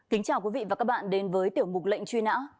kính chào quý vị và các bạn đến với tiểu mục lệnh truy nã